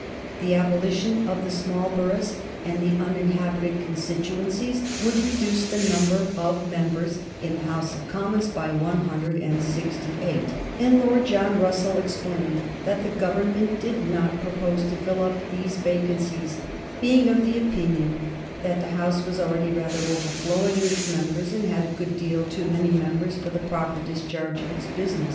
The abolition of the small boroughs and the uninhabited constituencies would reduce the number of members in the House of Commons by 168, and Lord John Russell explained that the Government did not propose to fill up all these vacancies, being of opinion that the House was already rather overflowing in its numbers and had a good deal too many members for the proper discharge of its business.